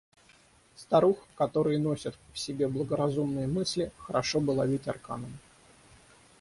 Старух, которые носят в себе благоразумные мысли, хорошо бы ловить арканом.